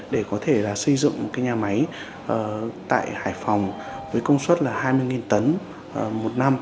để có thể là xây dựng cái nhà máy tại hải phòng với công suất là hai mươi tấn một năm